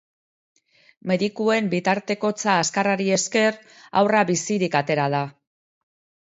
Medikuen bitartekotza azkarrari esker, haurra bizirik atera da.